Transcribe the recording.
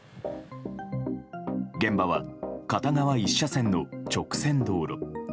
現場は片側１車線の直線道路。